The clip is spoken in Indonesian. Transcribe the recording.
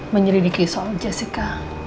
menyelidiki soal jessica